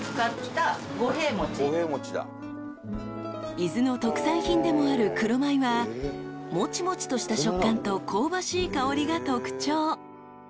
［伊豆の特産品でもある黒米はモチモチとした食感と香ばしい香りが特徴］